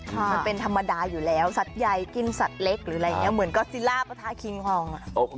มันเป็นธรรมดาอยู่แล้วสัตว์ใหญ่กินสัตว์เล็กหรืออะไรอย่างนี้เหมือนก็ซิล่าปะทะคิงฮอง